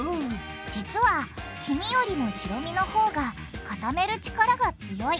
実は黄身よりも白身のほうが固める力が強い。